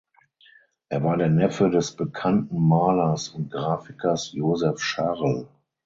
Er war der Neffe des bekannten Malers und Grafikers Josef Scharl.